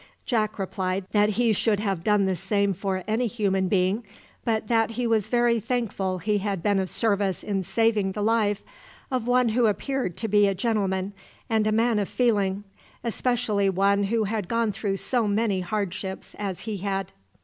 Jack replied that he should have done the same for any human being, but that he was very thankful he had been of service in saving the life of one who appeared to be a gentleman and a man of feeling; especially one who had gone through so many hardships as he had.